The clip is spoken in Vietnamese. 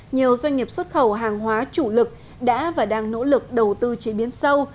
nhiều doanh nghiệp xuất khẩu hàng hóa chủ lực đã và đang nỗ lực đầu tư chế biến sâu